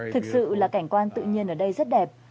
thực sự là cảnh quan tự nhiên ở đây rất đẹp